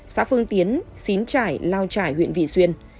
xã phương tiến xín trải lao trải huyện vị xuyên